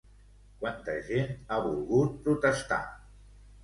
Quanta gent ha volgut protestar?